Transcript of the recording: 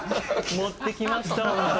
持ってきました。